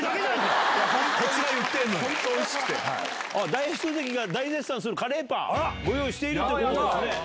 大栄翔関が大絶賛するカレーパンご用意しているということです。